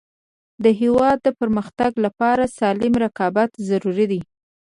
د هیواد د پرمختګ لپاره سالم رقابت ضروري دی.